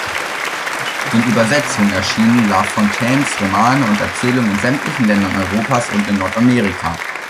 In Übersetzungen erschienen Lafontaines Romane und Erzählungen in sämtlichen Ländern Europas und in Nordamerika.